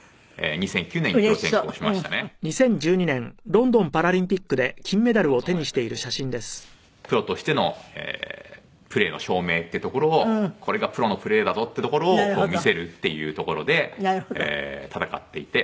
ロンドンはやっぱりプロとしてのプレーの証明っていうところをこれがプロのプレーだぞっていうところを見せるっていうところで戦っていて。